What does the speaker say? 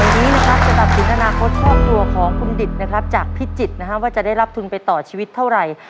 วันนี้นะครับจะตัดสินอนาคตครอบครัวของคุณดิตนะครับจากพิจิตรนะฮะว่าจะได้รับทุนไปต่อชีวิตเท่าไหร่